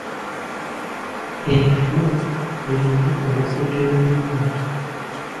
Entamu erina okukuutibwa obulungi.